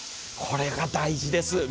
これが大事です。